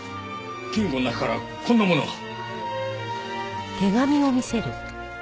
金庫の中からこんなものが。